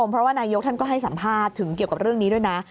เพราะว่านายกท่านก็ให้สัมภาษณ์ถึงเกี่ยวกับเรื่องนี้ด้วยนะ